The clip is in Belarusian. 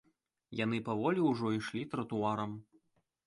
Яны паволі ўжо ішлі тратуарам.